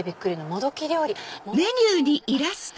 もどき料理！